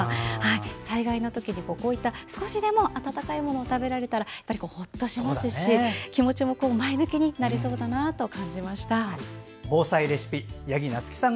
災害の時に、こういった少しでも温かいものを食べられたらほっとしますし気持ちも前向きになれそうだなと感じました。